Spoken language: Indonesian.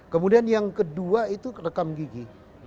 kemudian yang kedua itu rekam gigi